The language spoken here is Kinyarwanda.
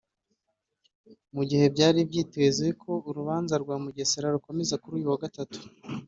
Mu gihe byari byitezwe ko urubanza rwa mugesera rukomeza kuri uyu wa gatatu